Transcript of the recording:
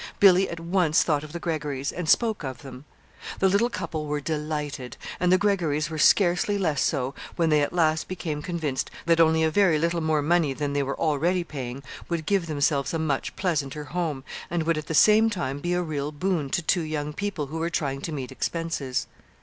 Billy at once thought of the Greggorys, and spoke of them. The little couple were delighted, and the Greggorys were scarcely less so when they at last became convinced that only a very little more money than they were already paying would give themselves a much pleasanter home, and would at the same time be a real boon to two young people who were trying to meet expenses.